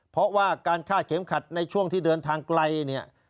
เพราะว่าการฆ่าเข็มขัดในช่วงที่เดินทางไกลเนี่ย